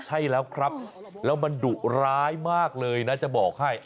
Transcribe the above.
ใช่แล้วครับแล้วมันดุร้ายมากเลยนะจะบอกให้